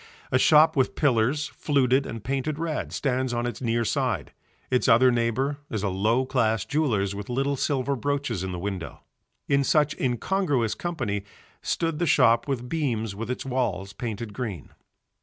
A shop with pillars, fluted and painted red, stands on its near side, its other neighbour is a low class jeweller's with little silver brooches in the window. In such incongruous company stood the shop with beams with its walls painted green.